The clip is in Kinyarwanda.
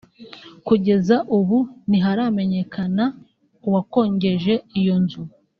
Kugeza ubu ntiharamenyekana uwakongeje iyo nzu